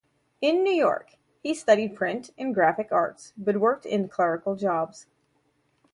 In New York, he studied print and graphic arts but worked in clerical jobs.